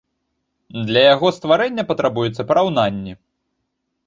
Для яго стварэння патрабуюцца параўнанні.